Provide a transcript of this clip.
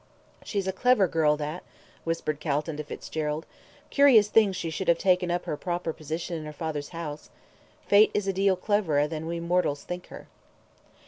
"She's a clever girl that," whispered Calton to Fitzgerald. "Curious thing she should have taken up her proper position in her father's house. Fate is a deal cleverer than we mortals think her."